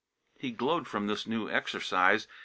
He glowed from this new exercise.